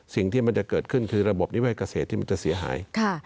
สิ่งที่เหมือนจะเกิดขึ้นคือระบบนี้ว่ากเกษตรที่มันจะเสียหาย